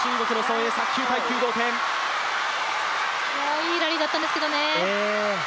いいラリーだったんですけどね。